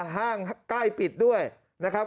ห้างใกล้ปิดด้วยนะครับ